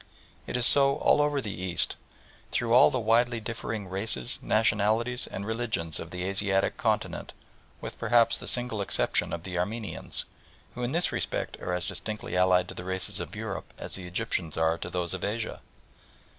It is so all over the East, through all the widely differing races, nationalities, and religions of the Asiatic continent with, perhaps, the single exception of the Armenians, who in this respect are as distinctly allied to the races of Europe as the Egyptians are to those of Asia.